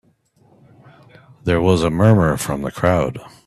There was a murmur from the crowd.